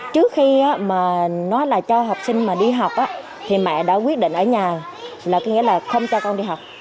trước khi nói là cho học sinh đi học thì mẹ đã quyết định ở nhà là không cho con đi học